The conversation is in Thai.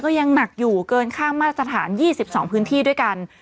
ก็ยังหนักอยู่เกินข้างมาตรฐานยี่สิบสองพื้นที่ด้วยกัน